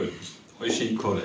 おいしいこれ。